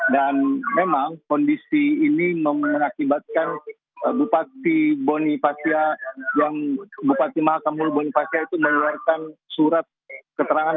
dan memang kondisi ini mengakibatkan bupati mahakamul bonifasya itu mengeluarkan surat keterangan